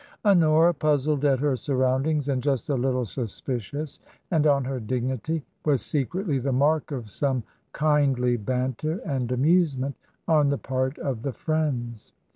Honora, puzzled at her surroundings, and just a little suspicious, and on her dignity, was secretly the mark of some kindly banter and amusement on the part of the friends.